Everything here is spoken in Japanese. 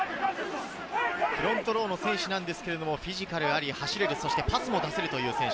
フロントローの選手なんですけれど、フィジカルあり、走れてパスも出せる選手。